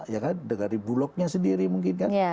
ya kan dari bulognya sendiri mungkin kan